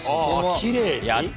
きれいに？